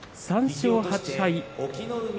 ３勝８敗。